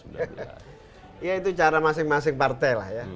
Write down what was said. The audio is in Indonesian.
ya itu cara masing masing partai lah ya